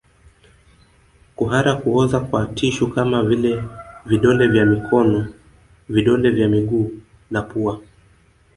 Kuhara kuoza kwa tishu kama vile vidole vya mikono vidole vya miguu na pua